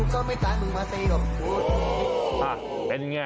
ค่ะแล้วยังไง